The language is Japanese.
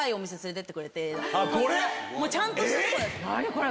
これ？